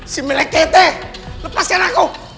si melekete lepaskan aku